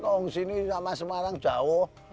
kalau di sini sama semarang jauh